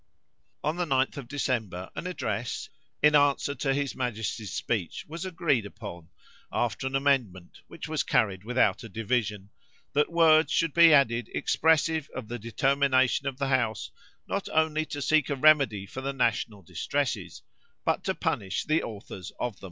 On the 9th of December an address, in answer to his majesty's speech, was agreed upon, after an amendment, which was carried without a division, that words should be added expressive of the determination of the house not only to seek a remedy for the national distresses, but to punish the authors of them.